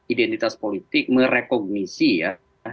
identitas politik merekognisi ya